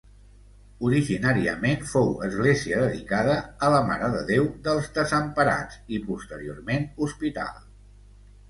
Originàriament fou església dedicada a la Mare de Déu dels Desemparats, i posteriorment hospital.